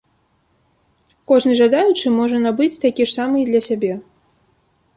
Кожны жадаючы можа набыць такі ж самы і для сябе.